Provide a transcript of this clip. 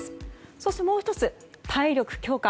そしてもう１つ、体力強化。